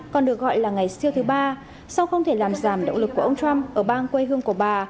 còn được gọi là ngày siêu thứ ba sau không thể làm giảm động lực của ông trump ở bang quê hương của bà